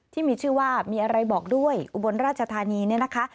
ที่มีชื่อว่ามีอะไรบอกด้วยอุบลราชธานีเนี่ยนะคะ